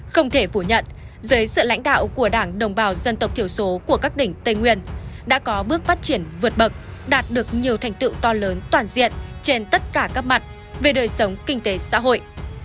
không thể phủ nhận dưới sự lãnh đạo của đảng đồng bào dân tộc thiểu số của các tỉnh tây nguyên đã có bước phát triển vượt bậc đạt được nhiều thành tựu to lớn toàn diện trên tất cả các mặt về đời sống kinh tế xã hội